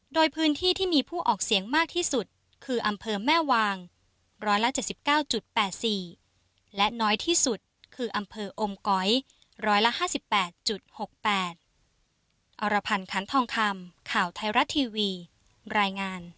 โดยพื้นที่ที่มีผู้ออกเสียงมากที่สุดคืออำเภอแม่วาง๑๗๙๘๔และน้อยที่สุดคืออำเภออมก๋อย๑๕๘๖๘